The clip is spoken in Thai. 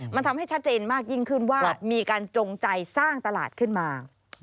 มันทำให้ชัดเจนมากยิ่งขึ้นว่ามีการจงใจสร้างตลาดขึ้นมา